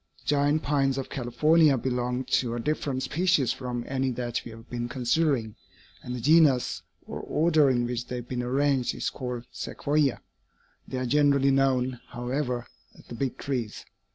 The giant pines of California belong to a different species from any that we have been considering, and the genus, or order, in which they have been arranged is called Sequoia. They are generally known, however, as the 'Big Trees.'